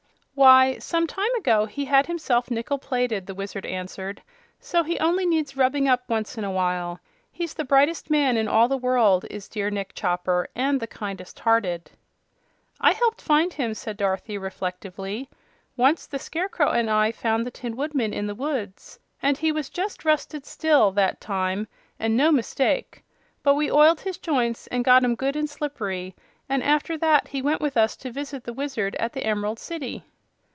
"Why, some time ago he had himself nickel plated," the Wizard answered; "so he only needs rubbing up once in a while. He's the brightest man in all the world, is dear Nick Chopper; and the kindest hearted." "I helped find him," said Dorothy, reflectively. "Once the Scarecrow and I found the Tin Woodman in the woods, and he was just rusted still, that time, an' no mistake. But we oiled his joints an' got 'em good and slippery, and after that he went with us to visit the Wizard at the Em'rald City."